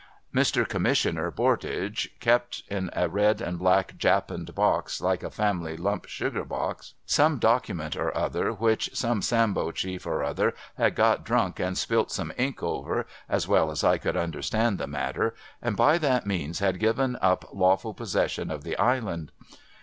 COMMISSIONER PORDAGE 151 Mr. Commissioner Pordage kept in a red and black japanned box, like a family lump sugar box, some document or other, which some Sambo chief or other had got drunk and spilt some ink over (as well as I could understand the matter), and by that means had given up lawful possession of the Island.